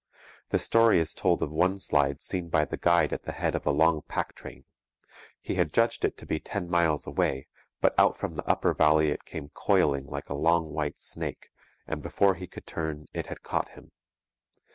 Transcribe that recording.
The story is told of one slide seen by the guide at the head of a long pack train. He had judged it to be ten miles away; but out from the upper valley it came coiling like a long white snake, and before he could turn, it had caught him.